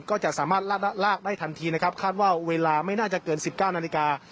ก็จะสามารถลาดลากได้ทันทีนะครับคาดว่าเวลาไม่น่าจะเกิน๑๙นาฬิกา